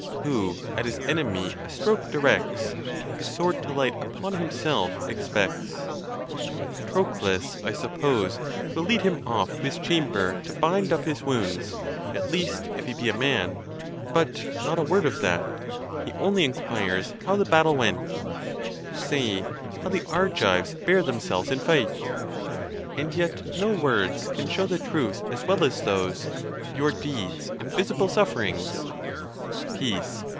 Who at his enemy a stroke directs, His sword to light upon himself expects. Patroclus, I suppose, will lead him off to his chamber to bind up his wounds, at least if he be a man: but not a word of that; he only inquires how the battle went: Say how the Argives bear themselves in fight ? And yet no words can show the truth as well as those, your deeds and visible sufferings. Peace!